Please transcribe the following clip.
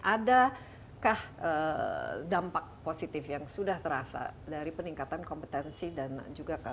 adakah dampak positif yang sudah terasa dari peningkatan kompetensi dan juga